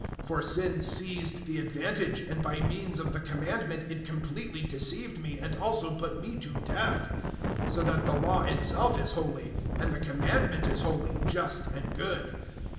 007:011 For sin seized the advantage, and by means of the Commandment it completely deceived me, and also put me to death. 007:012 So that the Law itself is holy, and the Commandment is holy, just and good.